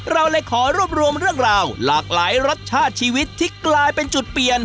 เราเลยขอรวบรวมเรื่องราวหลากหลายรสชาติชีวิตที่กลายเป็นจุดเปลี่ยน